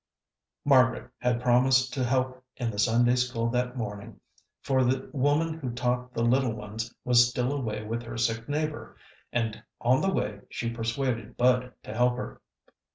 Margaret had promised to help in the Sunday school that morning, for the woman who taught the little ones was still away with her sick neighbor, and on the way she persuaded Bud to help her.